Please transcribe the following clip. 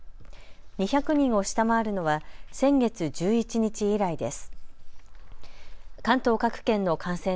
２００人を下回るのは先月１１日以来です。